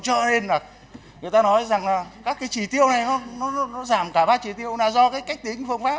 cho nên là người ta nói rằng là các cái chỉ tiêu này nó giảm cả ba chỉ tiêu là do cái cách tính phương pháp